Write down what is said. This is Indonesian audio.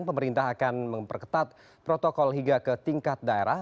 pemerintah akan memperketat protokol hingga ke tingkat daerah